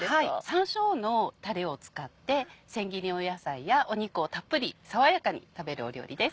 山椒のタレを使ってせん切り野菜や肉をたっぷり爽やかに食べる料理です。